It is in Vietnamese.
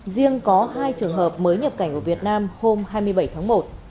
riêng có hai trường hợp mới nhập cảnh của việt nam hôm hai mươi bảy tháng một